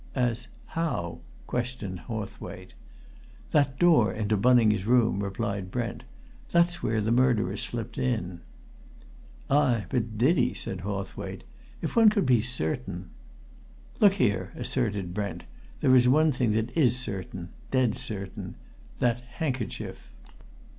"As how?" questioned Hawthwaite. "That door into Bunning's room," replied Brent. "That's where the murderer slipped in." "Ay; but did he?" said Hawthwaite. "If one could be certain " "Look here!" asserted Brent. "There is one thing that is certain dead certain. That handkerchief!"